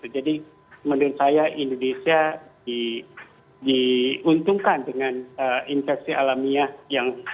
jadi menurut saya indonesia diuntungkan dengan infeksi alamnya